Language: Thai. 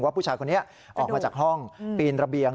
ผู้ชายคนนี้ออกมาจากห้องปีนระเบียง